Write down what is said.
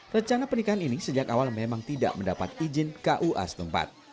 secara ekonomi penikahan ini memang tidak mendapatkan izin kua setempat